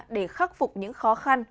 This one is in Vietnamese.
để khắc phục những khó khăn